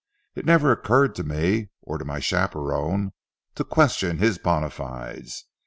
It never occurred to me or to my chaperon to question his bona fides.